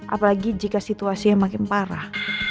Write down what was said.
apalagi jika situasinya makin parah